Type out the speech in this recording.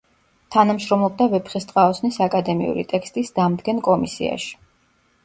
თანამშრომლობდა „ვეფხისტყაოსნის“ აკადემიური ტექსტის დამდგენ კომისიაში.